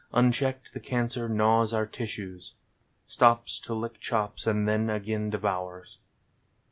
I nchccked the cancer gnaws our tissues. Stops to lick cliops and then again devours.